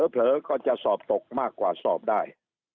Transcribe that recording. เผลอก็จะสอบตกมากกว่าสอบได้